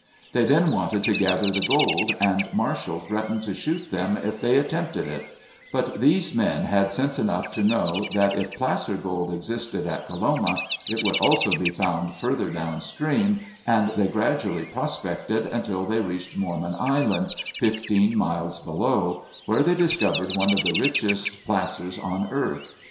They then wanted to gather the gold, and Marshall threatened to shoot them if they attempted it; but these men had sense enough to know that if "placer" gold existed at Coloma, it would also be found farther down stream, and they gradually "prospected" until they reached Mormon Island, fifteen miles below, where they discovered one of the richest placers on earth.